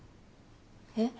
えっ？